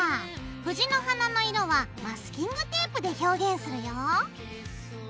藤の花の色はマスキングテープで表現するよ。